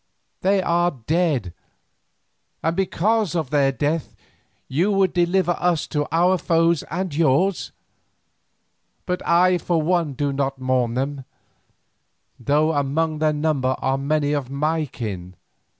They are dead, and because of their death you would deliver us to our foes and yours, but I for one do not mourn them, though among their number are many of my kin.